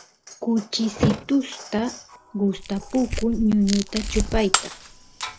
kuchisitusta gustapukun ñuñuta chupayta